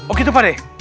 oh gitu pak d